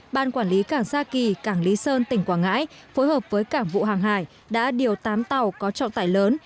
ban quản lý cảng sa kỳ cảng lý sơn tỉnh quảng ngãi phối hợp với cảng vụ hàng hải đã điều tám tàu có trọng tải lớn